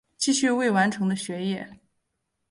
继续未完成的学业